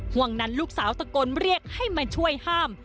ห่วงนั้นลูกสาวตะโกนเรียกให้มาช่วยห้าม